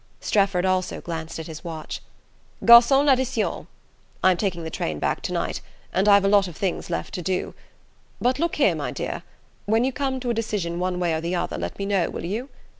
Strefford also glanced at his watch. "Garcon, l'addition! I'm taking the train back to night, and I've a lot of things left to do. But look here, my dear when you come to a decision one way or the other let me know, will you?